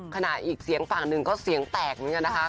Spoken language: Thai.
ขณะอีกเสียงฝั่งหนึ่งก็เสียงแตกเหมือนกันนะคะ